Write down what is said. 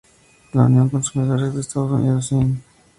La Unión de Consumidores de Estados Unidos, Inc.